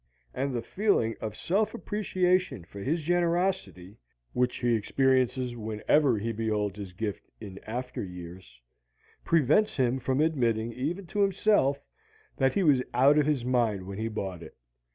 And the feeling of self appreciation for his generosity, which he experiences whenever he beholds his gift in after years, prevents him from admitting, even to himself, that he was out of his mind when he bought it.